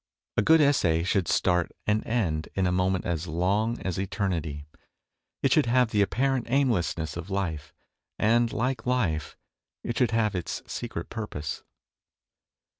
A good essay should start and end in a moment as long as eternity ; it should have the apparent aim lessness of life, and, like life, it should have its secret purpose.